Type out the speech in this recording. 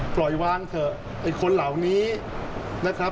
ปล่อยวางเถอะไอ้คนเหล่านี้นะครับ